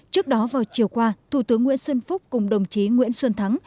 trước đó vào chiều qua thủ tướng nguyễn xuân phúc cùng đồng chí nguyễn xuân thắng